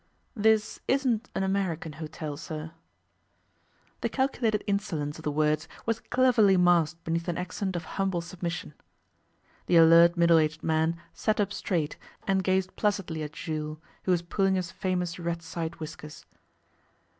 'This isn't an American hotel, sir.' The calculated insolence of the words was cleverly masked beneath an accent of humble submission. The alert, middle aged man sat up straight, and gazed placidly at Jules, who was pulling his famous red side whiskers.